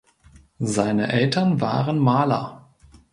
Seine Eltern waren Maler.